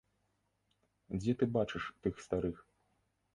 Дзе ты бачыш тых старых?